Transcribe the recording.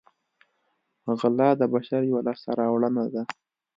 غلا د بشر یوه لاسته راوړنه ده